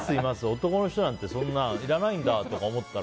男の人なんていらないんだとか思ったら。